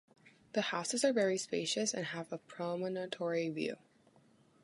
The houses are very spacious and have a promontory view.